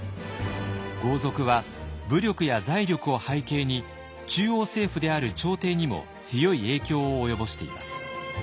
豪族は武力や財力を背景に中央政府である朝廷にも強い影響を及ぼしています。